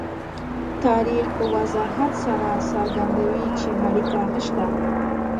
تاریخ په وضاحت سره څرګندوي چې اړیکه نشته.